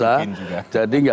saran yang perlu dipikirin juga